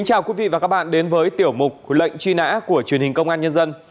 chào mừng quý vị đến với tiểu mục lệnh truy nã của truy nã